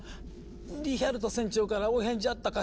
リヒャルト船長からお返事あったかしら？